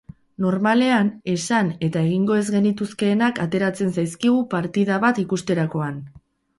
Normalean esan eta egingo ez genituzkeenak ateratzen zaizkigu partida bat ikusterakoan.